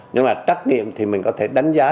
nhưng mà trắc nghiệm thì mình có thể đánh giá